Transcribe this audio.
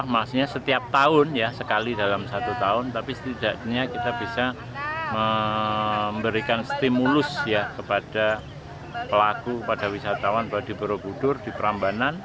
maksudnya setiap tahun ya sekali dalam satu tahun tapi setidaknya kita bisa memberikan stimulus ya kepada pelaku kepada wisatawan bahwa di borobudur di perambanan